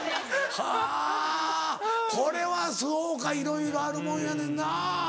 はぁこれはそうかいろいろあるもんやねんな。